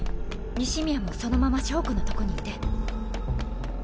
西宮もそのまま硝子のとこにいて。